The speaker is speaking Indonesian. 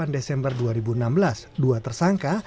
dua puluh desember dua ribu enam belas dua tersangka